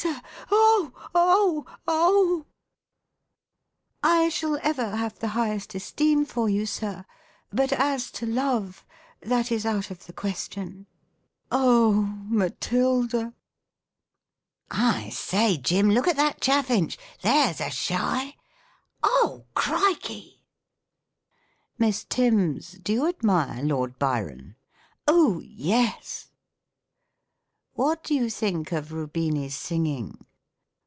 Sir ! Oh ! Oh ! Ob I" " I shall ever have the highest esteem for yo j, Sir ; but as to love, that is out of the question." 102 THE COMIC ENGLISH GRAMMAR. " Oh, Matilda !"" I say, Jim, look at that chaffinch : there's a shy !"« Oh, Crikey !"" Miss Timms, do you admire Lord Byron ?"" Oh, yes !"" What do you think of Rubini's singing